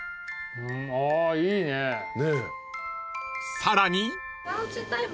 ［さらに］